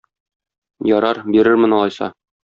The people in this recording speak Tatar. Ярар, бирермен алайса.